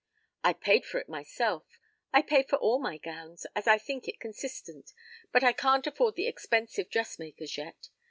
"I paid for it myself. I pay for all my gowns, as I think it consistent, but I can't afford the expensive dressmakers yet.